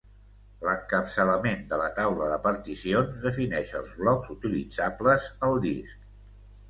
L'encapçalament de la taula de particions defineix els blocs utilitzables al disc.